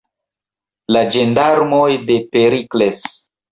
La ĝendarmoj de Perikles!